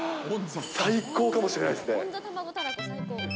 最高かもしれないですね。